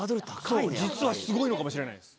実はスゴいのかもしれないです